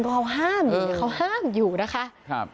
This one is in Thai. เออเขาห้ามอยู่นะคะ